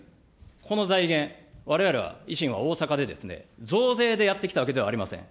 この財源、われわれは、維新は大阪で増税でやってきたわけではありません。